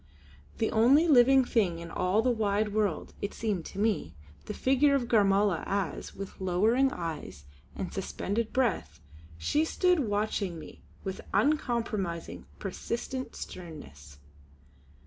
The only living thing in all the wide world was, it seemed to me, the figure of Gormala as, with lowering eyes and suspended breath, she stood watching me with uncompromising, persistent sternness.